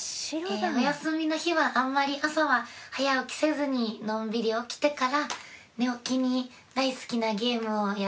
お休みの日はあんまり朝は早起きせずにのんびり起きてから寝起きに大好きなゲームをやっていたりもします。